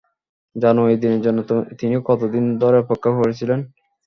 জানো, এই দিনের জন্য তিনি কতদিন ধরে অপেক্ষা করছিলেন?